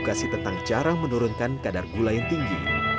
edukasi tentang cara menurunkan kadar gula yang tinggi